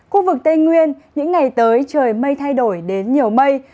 khu vực tây nguyên những ngày tới trời mây thay đổi đến nhiều mây